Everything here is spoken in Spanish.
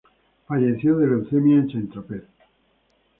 Falleció de leucemia en Saint-Tropez.